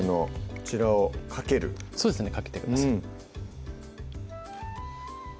こちらをかけるそうですねかけてください